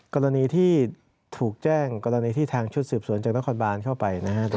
กรณีที่ถูกแจ้งกรณีที่ทางชุดสืบสวนจากนครบานเข้าไปนะครับ